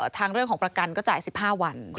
ทางเรื่องของประกันก็จ่าย๑๕วัน